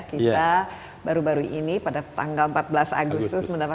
ada berita baik ya kita baru baru ini pada tanggal empat belas agustus mendapatkan penyelidikan